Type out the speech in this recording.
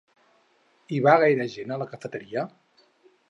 Hi va gaire gent a la cafeteria?